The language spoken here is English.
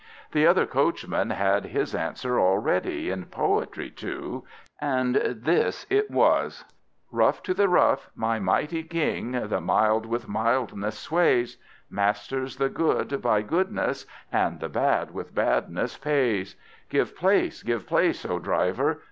The other coachman had his answer all ready, in poetry too, and this it was: "Rough to the rough, my mighty King the mild with mildness sways, Masters the good by goodness, and the bad with badness pays: Give place, give place, O driver!